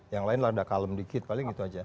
yang lain terlalu kalem dikit paling gitu aja